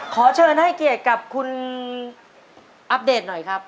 ขอเชิญให้เกียรติกับคุณอัปเดตหน่อยครับ